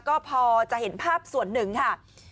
ก็พอจะเห็นภาพส่วนหนึ่งค่ะ